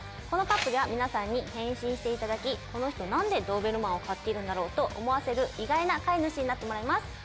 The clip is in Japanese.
このＣＵＰでは皆さんに変身していただきこの人なんでドーベルマンを飼っているんだろうと思わせる意外な飼い主になってもらいます。